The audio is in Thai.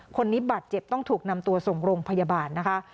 คนนี้บาดเจ็บต้องถูกนำตัวส่งโรงพยาบาลนะคะ